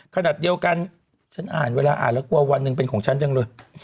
ขนาดเดียวกันฉันอ่านเวลาอ่านแล้วกลัววันหนึ่งเป็นของฉันจังเลย